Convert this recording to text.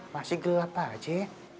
masih gelap aja